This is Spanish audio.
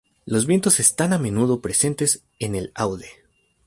Los vientos están a menudo presentes en el Aude.